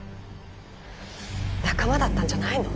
仲間だったんじゃないの？